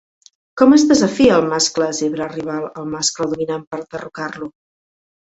Com es desafia el mascle zebra rival al mascle dominant per derrocar-lo?